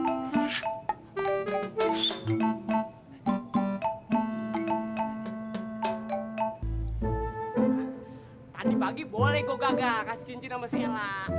kalau tadi pagi boleh gue ganggaran cincin buat si elak